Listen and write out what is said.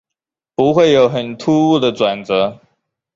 不会有很突兀的转折